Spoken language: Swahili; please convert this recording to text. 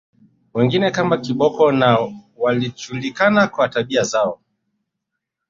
Wengine kama Kiboko na walijulikana kwa tabia zao